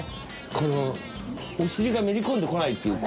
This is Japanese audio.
このお尻がめり込んでこないっていう。